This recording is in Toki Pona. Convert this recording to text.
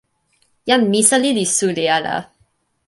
jan Misali li suli ala.